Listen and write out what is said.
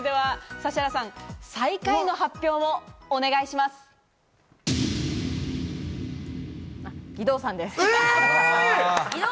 指原さん、最下位の発表をお義堂さんです。